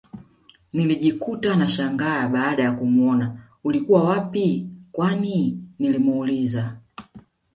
Nilijikuta nashangaa baada ya kumuona ulikuwa wapii kwanii nilimuuliza